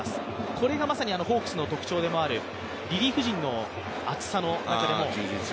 これがまさにホークスの特徴でもあるリリーフ陣の厚さの中でも。